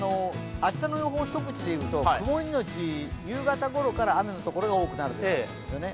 明日の予報を一口でいうと曇り後、夕方ごろから雨のところが多くなるということですね。